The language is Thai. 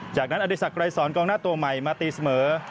จากนั้นอดีศักดรายสอนกองหน้าตัวใหม่มาตีเสมอ